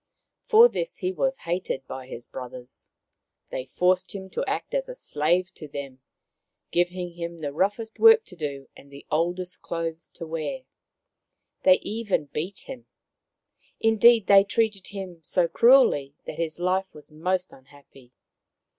For this he was hated by his brothers. They forced him to act as a slave to them, giving him the roughest work to do and the oldest clothes to wear. They even beat him. Indeed, they treated him so cruelly that his life was most unhappy.